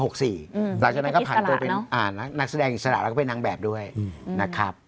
หลังจากนั้นก็ผ่านตัวเป็นนักแสดงอิสระแล้วก็เป็นนางแบบด้วยนะครับ